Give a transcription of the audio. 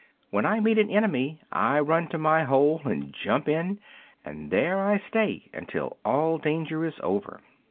When I meet an enemy I run to my hole and jump in, and there I stay until all danger is over."